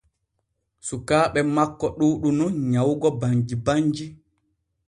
Sukaaɓe makko ɗuuɗu nun nyawugo banji banji.